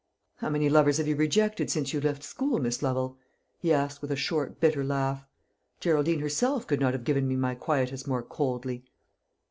How many lovers have you rejected since you left school, Miss Lovel?" he asked with a short bitter laugh. "Geraldine herself could not have given me my quietus more coldly."